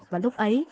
và lúc ấy